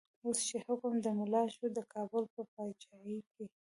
اوس چی حکم د ملا شو، د کابل په با چايې کی